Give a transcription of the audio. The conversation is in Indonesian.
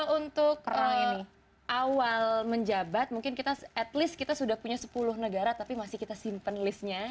kalau untuk perang ini awal menjabat mungkin kita at least kita sudah punya sepuluh negara tapi masih kita simpen listnya